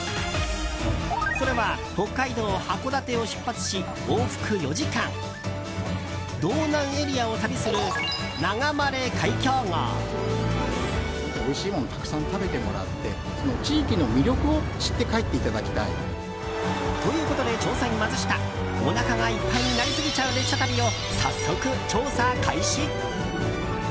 それは北海道・函館を出発し往復４時間道南エリアを旅するながまれ海峡号。ということで調査員マツシタおなかがいっぱいになりすぎちゃう列車旅を早速、調査開始！